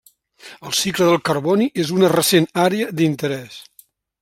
El cicle del carboni és una recent àrea d'interès.